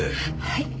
はい。